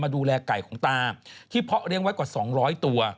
ดูแลไก่ของตาที่เพาะเลี้ยงไว้กว่า๒๐๐ตัว